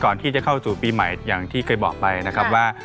ก่อนที่จะเข้าสู่ปีใหม่อย่างที่เคยบอกไปนะครับว่า